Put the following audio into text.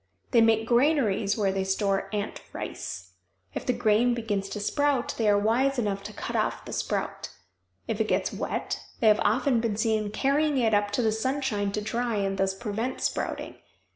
They make granaries where they store ant rice. If the grain begins to sprout they are wise enough to cut off the sprout. If it gets wet they have often been seen carrying it up to the sunshine to dry and thus prevent sprouting.